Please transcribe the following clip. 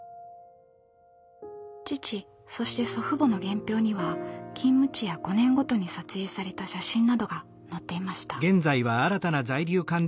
父そして祖父母の原票には勤務地や５年ごとに撮影された写真などが載っていました。